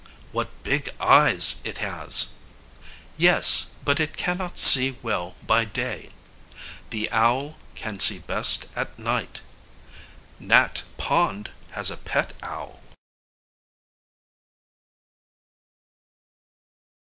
What big eyes it has! Yes, but it can not see well by day. The owl can see best at night. Nat Pond has a pet owl.